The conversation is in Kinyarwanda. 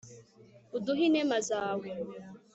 uduhe inema zawe